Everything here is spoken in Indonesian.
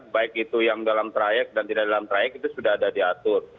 baik itu yang dalam trayek dan tidak dalam trayek itu sudah ada diatur